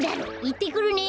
いってくるね。